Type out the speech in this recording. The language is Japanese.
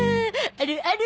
あるある。